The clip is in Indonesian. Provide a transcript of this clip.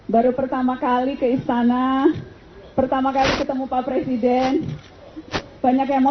baru pertama kali ke istana pertama kali ketemu pak presiden banyak yang mau